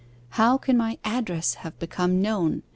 'How can my address have become known?